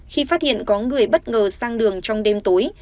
khi phát hiện có người bất ngờ sang đường trong đêm tối